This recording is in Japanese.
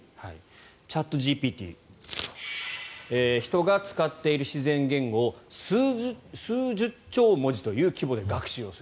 チャットＧＰＴ人が使っている自然言語を数十兆文字という規模で学習をする。